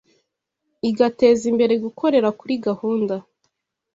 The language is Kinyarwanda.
igateza imbere gukorera kuri gahunda